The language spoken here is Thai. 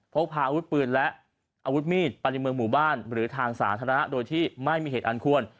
พกพาอาวุธปืนและอาวุธมีดไปในเมืองหมู่บ้านหรือทางสาธารณะโดยที่ไม่มีเหตุอันควร